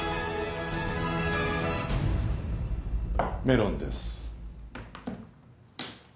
メロンです。